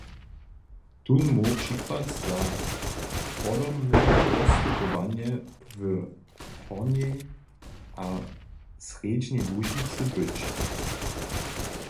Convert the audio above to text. Tón móhł přikład za podobne postupowanje w Hornjej a srjedźnej Łužicy być.